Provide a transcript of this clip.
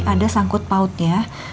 ada sangkut pautnya